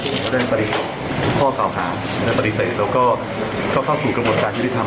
ผมก็ได้ปริศน์ข้อเก่าหาได้ปริศน์แล้วก็เข้าเข้าสู่กระบวนการที่ได้ทำ